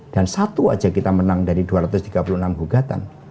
dan satu saja kita menang dari dua ratus tiga puluh enam gugatan